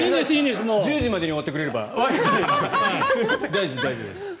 １０時までに終わってくれれば大丈夫です。